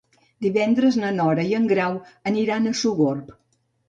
Divendres na Nora i en Grau aniran a Sogorb.